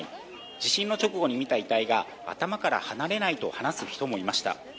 地震の直後に見た遺体が頭から離れないと話す人もいました。